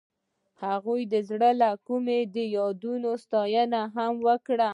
هغې د زړه له کومې د یادونه ستاینه هم وکړه.